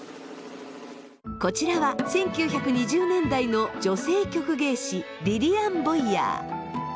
こちらは１９２０年代の女性曲芸師リリアン・ボイヤー。